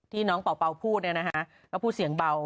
น้องเป่าพูดเนี่ยนะคะก็พูดเสียงเบา